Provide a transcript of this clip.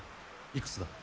いくつだ？